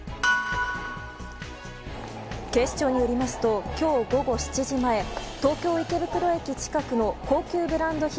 警視庁によりますと今日午後７時前東京・池袋駅近くの高級ブランド品